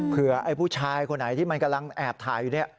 ไอ้ผู้ชายคนไหนที่มันกำลังแอบถ่ายอยู่เนี่ย